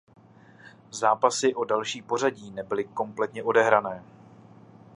Zápasy o další pořadí nebyly kompletně odehrané.